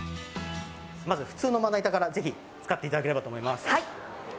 まず、普通のまな板からぜひ使っていただければと思います。